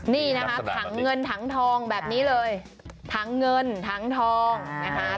นี่นะคะถังเงินถังทองแบบนี้เลยถังเงินถังทองนะคะ